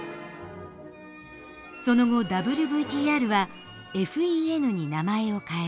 その後ＷＶＴＲはＦＥＮに名前を変える。